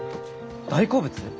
大好物？